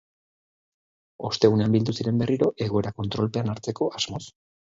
Ostegunean bildu ziren berriro, egoera kontrolpean hartzeko asmoz.